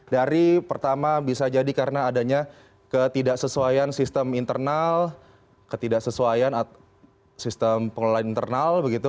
dari pertama bisa jadi karena adanya ketidaksesuaian sistem internal ketidaksesuaian sistem pengelolaan internal begitu